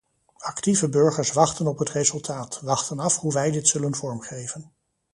Actieve burgers wachten op het resultaat, wachten af hoe wij dit zullen vormgeven.